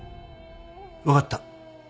分かった。